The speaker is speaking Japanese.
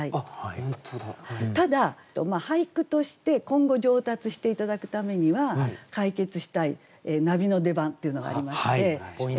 ただ俳句として今後上達して頂くためには解決したいナビの出番っていうのがありまして。